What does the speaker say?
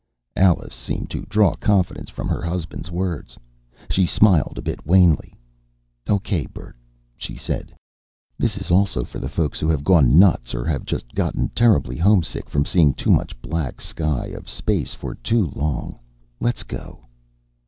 Alice seemed to draw confidence from her husband's words. She smiled a bit wanly. "Okay, Bert," she said. "This is also for the folks who have gone nuts, or have just gotten terribly homesick from seeing too much black sky of space for too long. Let's go!"